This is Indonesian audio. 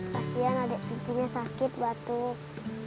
kasian adik ibunya sakit batuk